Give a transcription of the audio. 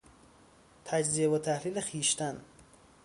تجزیه و تحلیل خویشتن